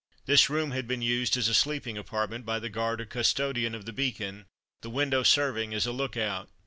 This room had been used as a sleeping apartment by the guard or custodian of the Beacon, the window serving as a look out.